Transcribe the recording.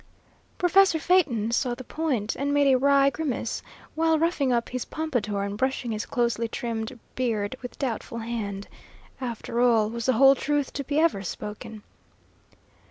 Professor Phaeton saw the point, and made a wry grimace while roughing up his pompadour and brushing his closely trimmed beard with doubtful hand. After all, was the whole truth to be ever spoken?